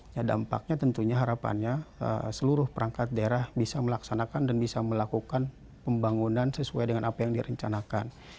ya dampaknya tentunya harapannya seluruh perangkat daerah bisa melaksanakan dan bisa melakukan pembangunan sesuai dengan apa yang direncanakan